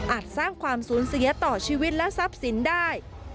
สร้างความสูญเสียต่อชีวิตและทรัพย์สินได้